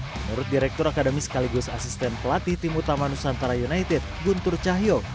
menurut direktur akademi sekaligus asisten pelatih tim utama nusantara united guntur cahyo